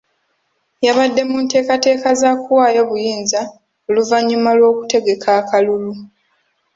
Yabadde mu nteekateeka za kuwaayo buyinza oluvannyuma lw'okutegeka akalulu.